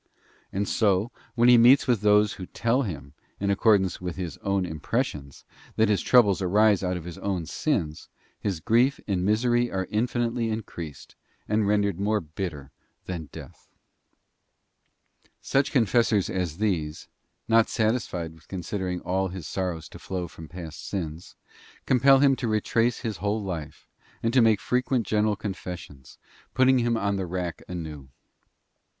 And so, when he meets with those who tell him, in accordance with his own impres sions, that his troubles arise out of his own sins, his grief and misery are infinitely increased and rendered more bitter than death. Such confessors as these, not satisfied with considering all 4. West of his sorrows to flow from past sins, compel him to retrace his whole life, and to make frequent general confessions, putting him on the rack anew.